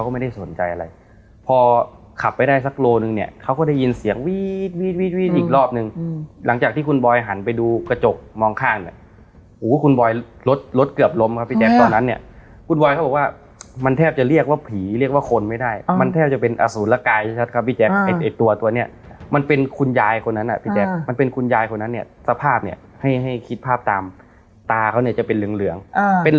ก็ไม่ได้สนใจอะไรพอขับไปได้สักโกรธนึงเนี่ยเขาก็ได้ยินเสียงวี๊ดวี๊ดวี๊ดวี๊ดวี๊ดอีกรอบนึงหลังจากที่คุณบอยหันไปดูกระจกมองข้างเนี่ยอู๋คุณบอยรถรถเกือบล้มครับพี่แจ๊กตอนนั้นเนี่ยคุณบอยเขาบอกว่ามันแทบจะเรียกว่าผีเรียกว่าคนไม่ได้มันแทบจะเป็นอสูรกายชัดครับพี่แจ๊ก